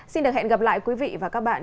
xin được hẹn gặp lại quý vị và các bạn